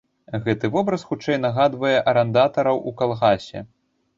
Гэты вобраз хутчэй нагадвае арандатараў у калгасе.